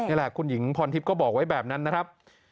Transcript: นี่แหละคุณหญิงพรทิพย์ก็บอกไว้แบบนั้นนะครับ